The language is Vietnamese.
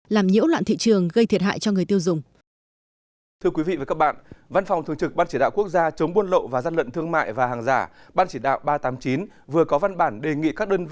làm nhiễu loạn thị trường gây thiệt hại cho người tiêu dùng